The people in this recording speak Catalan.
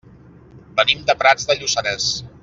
Venim de Prats de Lluçanès.